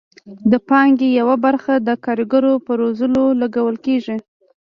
د پانګې یوه برخه د کارګرو په روزلو لګول کیږي.